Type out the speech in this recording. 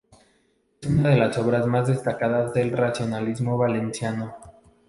Es una de las obras más destacadas del racionalismo valenciano.